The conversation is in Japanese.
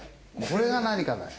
これが何かだよ。